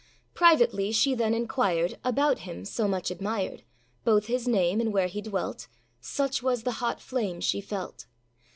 Privately she then enquired About him, so much admired; Both his name, and where he dwelt,â Such was the hot flame she felt.